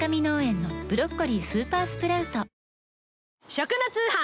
食の通販。